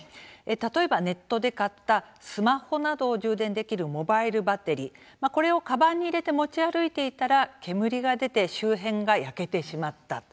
例えばネットで買ったスマホなどを充電できるモバイルバッテリーこれをかばんに入れて持ち歩いていたら煙が出て周辺が焼けてしまった。